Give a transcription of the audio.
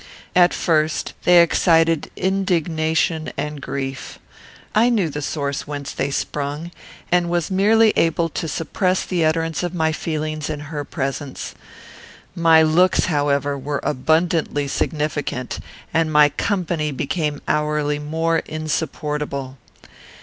At first, they excited indignation and grief. I knew the source whence they sprung, and was merely able to suppress the utterance of my feelings in her presence. My looks, however, were abundantly significant, and my company became hourly more insupportable.